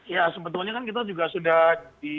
ya sebetulnya kan kita juga sudah di